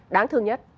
đáng thương nhất